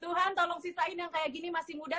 tuhan tolong sisain yang kayak gini masih muda